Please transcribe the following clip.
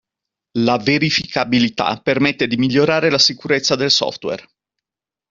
La verificabilità permette di migliorare la sicurezza del software.